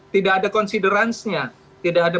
tidak ada konsideransinya tidak ada